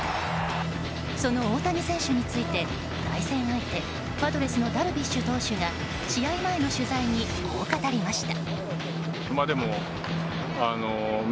その大谷選手について対戦相手、パドレスのダルビッシュ投手が試合前の取材にこう語りました。